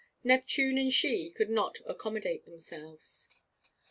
Neptune and she could not accommodate themselves.